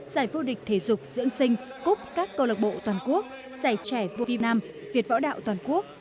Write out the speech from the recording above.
giải vô địch thể dục diễn sinh cúp các câu lộ bộ toàn quốc giải trẻ vua việt nam việt võ đạo toàn quốc